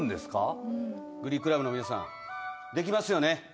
グリークラブの皆さんできますよね？